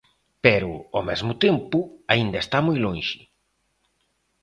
Pero, ao mesmo tempo, aínda está moi lonxe.